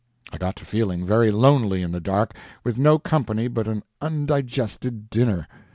I got to feeling very lonely in the dark, with no company but an undigested dinner.